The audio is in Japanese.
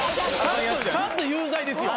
ちゃんと有罪ですよ。